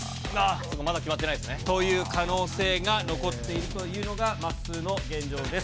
そうか、まだ決まってないでという可能性が残っているというのが、まっすーの現状です。